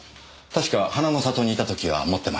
確か花の里にいた時は持ってましたよね。